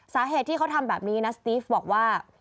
สาเหตุที่เขาทำแบบนี้นะสติฟบอกว่า